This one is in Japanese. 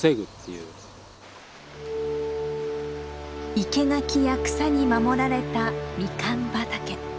生け垣や草に守られたミカン畑。